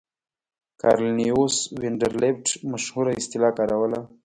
کارنلیوس وینډربیلټ مشهوره اصطلاح کاروله.